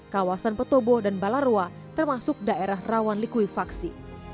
kawasan petobo dan balarwa termasuk daerah rawan likuifaksi